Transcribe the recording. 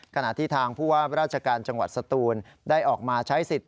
ขณะที่ทางผู้ว่าราชการจังหวัดสตูนได้ออกมาใช้สิทธิ